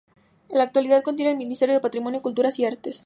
En la actualidad contiene el Ministerio de Patrimonio, Cultura y Artes.